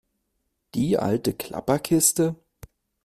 Die alte Klapperkiste?